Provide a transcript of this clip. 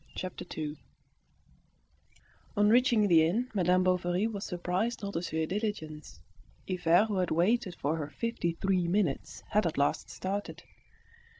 Chapter Two On reaching the inn, Madame Bovary was surprised not to see the diligence. Hivert, who had waited for her fifty three minutes, had at last started.